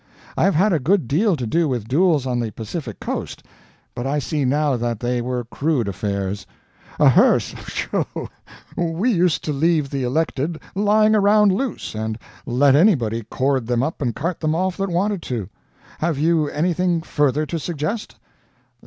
I have had a good deal to do with duels on the Pacific coast, but I see now that they were crude affairs. A hearse sho! we used to leave the elected lying around loose, and let anybody cord them up and cart them off that wanted to. Have you anything further to suggest?"